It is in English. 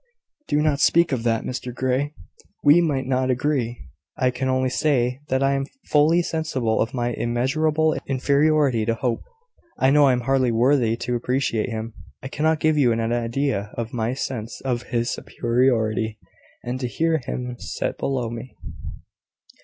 "Do not speak of that, Mr Grey. We might not agree. I can only say that I am so fully sensible of my immeasurable inferiority to Hope, I know I am hardly worthy to appreciate him... I cannot give you an idea of my sense of his superiority... And to hear him set below me...